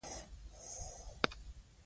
سرتېرو ته د لوستلو سپارښتنه کېده.